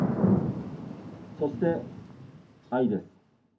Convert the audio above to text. そして、愛です。